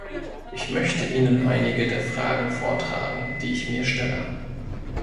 Ich möchte Ihnen einige der Fragen vortragen, die ich mir stelle.